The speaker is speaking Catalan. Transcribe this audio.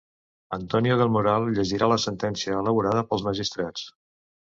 Antonio del Moral llegirà la sentència elaborada pels magistrats.